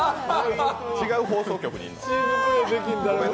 違う放送局にいるの？